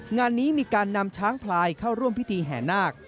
งานนี้มีการนำช้างพลายเข้าร่วมพิธีแห่นาค